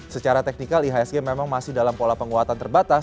secara teknikal ihsg memang masih dalam pola penguatan terbatas